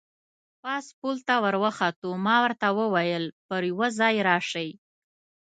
پاس پل ته ور وخوتو، ما ورته وویل: پر یوه ځای راشئ.